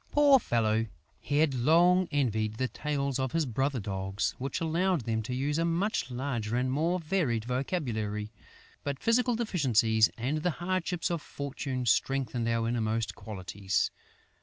Poor fellow, he had long envied the tails of his brother dogs, which allowed them to use a much larger and more varied vocabulary. But physical deficiencies and the hardships of fortune strengthen our innermost qualities.